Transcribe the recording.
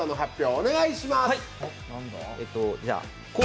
お願いします。